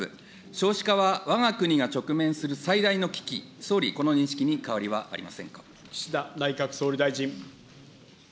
少子化はわが国が直面する最大の危機、総理、この認識に変わりは岸田内閣総理大臣。